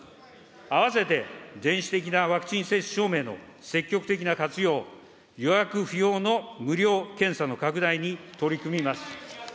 併せて電子的なワクチン接種証明の積極的な活用、予約不要の無料検査の拡大に取り組みます。